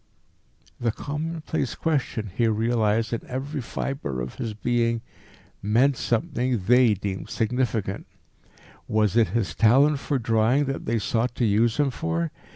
The commonplace question, he realised in every fibre of his being, meant something they deemed significant. Was it his talent for drawing that they sought to use him for?